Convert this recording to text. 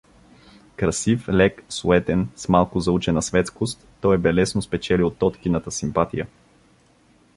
Красив, лек, суетен, с малко заучена светскост, той бе лесно спечелил Тоткината симпатия.